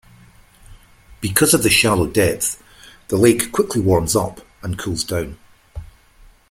Because of the shallow depth, the lake quickly warms up and cools down.